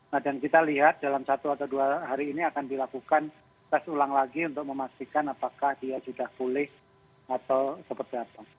nah dan kita lihat dalam satu atau dua hari ini akan dilakukan tes ulang lagi untuk memastikan apakah dia sudah pulih atau seperti apa